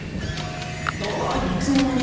ああっいつの間に！